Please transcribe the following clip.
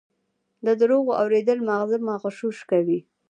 د دروغو اورېدل ماغزه مغشوش کوي.